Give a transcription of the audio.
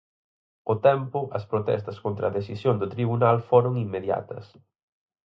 Ao tempo, as protestas contra a decisión do tribunal foron inmediatas.